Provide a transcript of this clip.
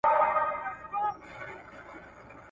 طبیعت مه ځوروئ.